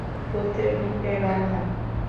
ভূতের মুখে রাম নাম।